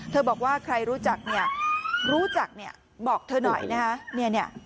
บอกว่าใครรู้จักเนี่ยรู้จักเนี่ยบอกเธอหน่อยนะฮะ